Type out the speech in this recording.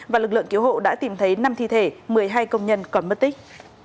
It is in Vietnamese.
và lực lượng cứu hộ đã tìm thấy năm thi thể một mươi hai công nhân còn mất tích